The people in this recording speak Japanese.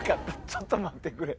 ちょっと待ってくれ。